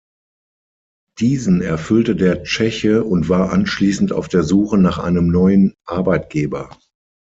Diesen erfüllte der Tscheche und war anschließend auf der Suche nach einem neuen Arbeitgeber.